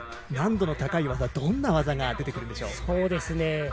難度の高い技どんな技が出てくるでしょう。